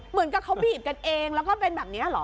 เหมือนกับเขาบีบกันเองแล้วก็เป็นแบบนี้เหรอ